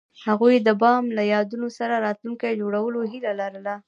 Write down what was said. هغوی د بام له یادونو سره راتلونکی جوړولو هیله لرله.